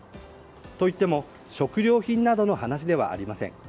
といっても食料品などの話ではありません。